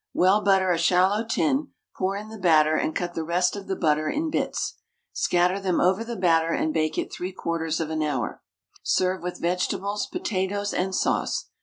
Well butter a shallow tin, pour in the batter, and cut the rest of the butter in bits. Scatter them over the batter, and bake it 3/4 hour. Serve with vegetables, potatoes, and sauce.